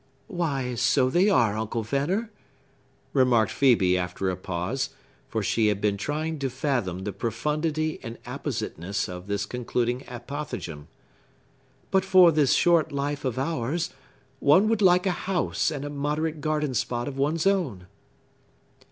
"Why, so they are, Uncle Venner," remarked Phœbe after a pause; for she had been trying to fathom the profundity and appositeness of this concluding apothegm. "But for this short life of ours, one would like a house and a moderate garden spot of one's own."